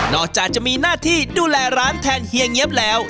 จากจะมีหน้าที่ดูแลร้านแทนเฮียเงี๊ยบแล้ว